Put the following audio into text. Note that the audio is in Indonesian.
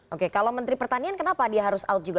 oke kalau menteri pertanian kenapa dia harus out juga